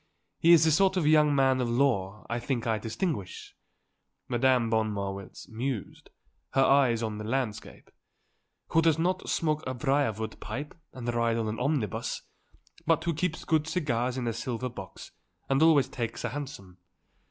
He is the sort of young man of law, I think I distinguish," Madame von Marwitz mused, her eyes on the landscape, "who does not smoke a briar wood pipe and ride on an omnibus, but who keeps good cigars in a silver box and always takes a hansom.